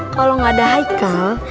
kalo gak ada heikal